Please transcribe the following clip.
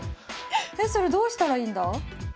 えそれどうしたらいいんだ？